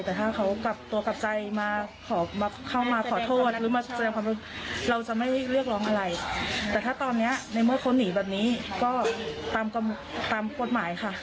แต่ถ้าตอนนี้ในเมื่อเขานีแบบนี้ก็ตามกฎหมายค่ะ